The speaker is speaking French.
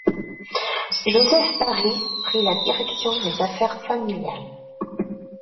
Joseph Paris prit la direction des affaires familiales.